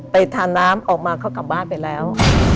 ทานน้ำออกมาเขากลับบ้านไปแล้ว